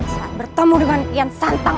saat bertemu dengan yang santang